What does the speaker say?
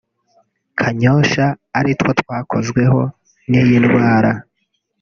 Kanyosha ari two twakozweho n’iyi ndwara